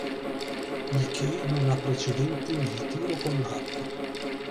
Il che non ha precedenti nel tiro con l'arco.